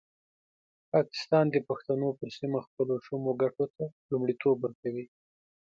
پاکستان د پښتنو پر سیمه خپلو شومو ګټو ته لومړیتوب ورکوي.